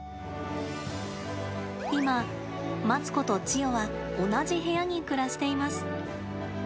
今、マツコとチヨは同じ部屋に暮らしています。